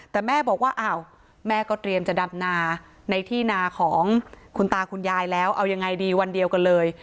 แต่แม่บอกว่าอ้าวแม่ก็เตรียมจะดำนาในที่นาของคุณตาคุณยายแล้วเอายังไงดีวันเดียวกันเลย